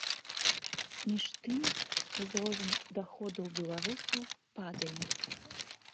Між тым, узровень даходаў беларусаў падае.